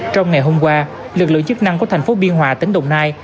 trong ngày hôm qua lực lượng chức năng của thành phố biên hòa tỉnh đồng nai